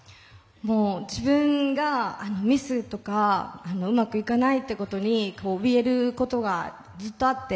自分がミスとかうまくいかないってことにおびえることがずっとあって。